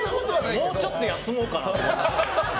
もうちょっと休もうかなって。